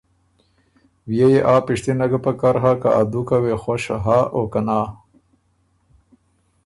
بيې يې آ پِشتِنه ګه پکر هۀ که ا دُوکه وې خوش هۀ او که نا؟